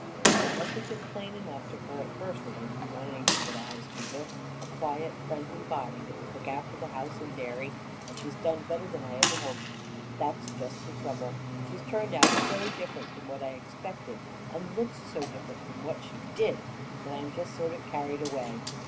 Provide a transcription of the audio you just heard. It must have been plain enough to her at first that I didn't want anything but a housekeeper a quiet, friendly body that would look after the house and dairy, and she's done better than I even hoped. That's just the trouble; she's turned out so different from what I expected, and looks so different from what she did, that I'm just sort of carried away.